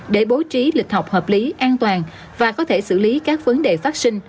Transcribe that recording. để bố trí lịch học hợp lý an toàn và có thể xử lý các vấn đề phát sinh